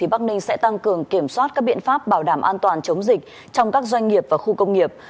bắc ninh sẽ tăng cường kiểm soát các biện pháp bảo đảm an toàn chống dịch trong các doanh nghiệp và khu công nghiệp